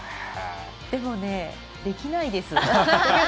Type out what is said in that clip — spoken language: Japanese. でもね、できないです。